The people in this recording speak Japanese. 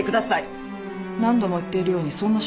何度も言っているようにそんな証拠はないんです。